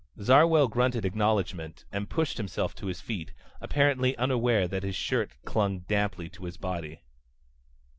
Zarwell grunted acknowledgment and pushed himself to his feet, apparently unaware that his shirt clung damply to his body.